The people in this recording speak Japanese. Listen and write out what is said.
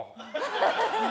ハハハハ。